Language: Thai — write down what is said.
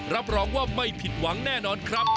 รับรองว่าไม่ผิดหวังแน่นอนครับ